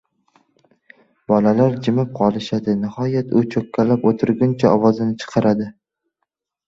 Bolalar jimib qolishadi. Nihoyat u cho‘kkalab o‘tirgancha ovozini chiqaradi.